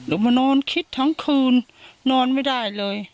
มานอนคิดทั้งคืนนอนไม่ได้เลย